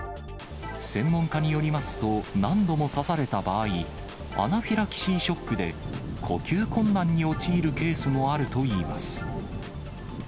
専門家によりますと、何度も刺された場合、アナフィラキシーショックで、呼吸困難に陥るケースもあるといいます。